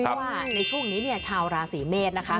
เพราะว่าในช่วงนี้เนี่ยชาวราศีเมษนะคะ